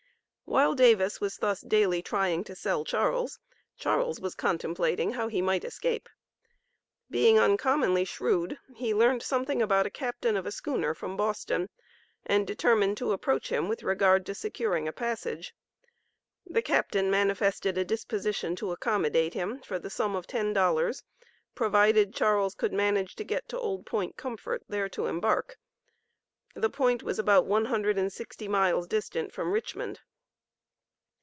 While Davis was thus daily trying to sell Charles, Charles was contemplating how he might escape. Being uncommonly shrewd he learned something about a captain of a schooner from Boston, and determined to approach him with regard to securing a passage. The captain manifested a disposition to accommodate him for the sum of ten dollars, provided Charles could manage to get to Old Point Comfort, there to embark. The Point was about one hundred and sixty miles distant from Richmond.